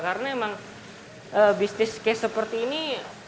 karena emang bisnis case seperti ini